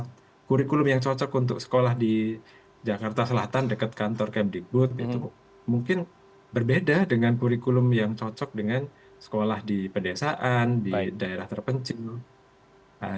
karena kurikulum yang cocok untuk sekolah di jakarta selatan dekat kantor camp dibut itu mungkin berbeda dengan kurikulum yang cocok dengan sekolah di pedesaan di daerah terpencil